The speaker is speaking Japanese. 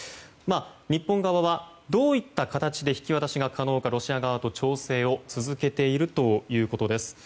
日本側はどういった形で引き渡しが可能かロシア側と調整を続けているということです。